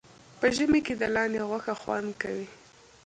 په ژمي کې د لاندي غوښه خوند کوي